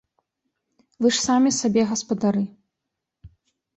Вы ж самі сабе гаспадары.